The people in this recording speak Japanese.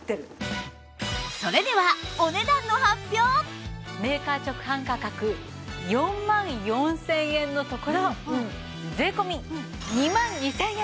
それではメーカー直販価格４万４０００円のところ税込２万２０００円。